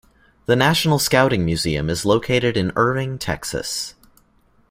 The National Scouting Museum is located in Irving, Texas.